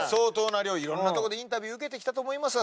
いろんなとこでインタビュー受けてきたと思いますが。